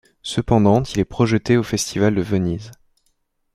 Cependant il est projeté au Festival de Venise.